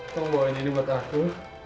tolong bawain ini buat aku